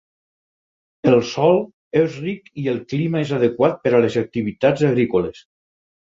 El sòl és ric i el clima és adequat per a les activitats agrícoles.